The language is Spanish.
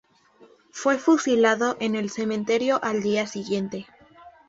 Fue fusilado en el cementerio al día siguiente.